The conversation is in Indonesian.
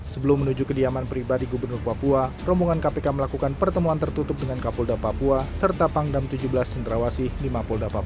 sebelum menuju kediaman pribadi gubernur papua rombongan kpk melakukan pertemuan tertutup dengan kapolda papua serta pangdam tujuh belas cendrawasih di mapolda papua